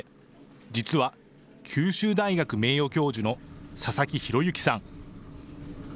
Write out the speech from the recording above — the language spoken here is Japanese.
実は、九州大学名誉教授の佐々木裕之さん。